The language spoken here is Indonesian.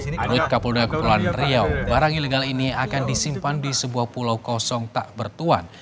menurut kapolda kepulauan riau barang ilegal ini akan disimpan di sebuah pulau kosong tak bertuan